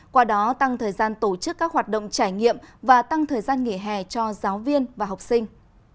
qua đó tăng thời gian tổ chức các hoạt động trải nghiệm và tăng thời gian nghỉ hè cho giáo viên và học sinh